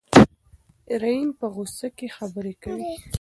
رحیم په غوسه کې خبرې کوي.